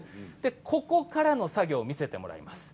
ここからの作業を見せてもらいます。